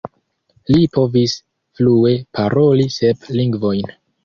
Li povis flue paroli sep lingvojn.